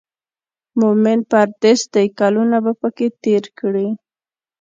مومن پردېس دی کلونه به پکې تېر کړي.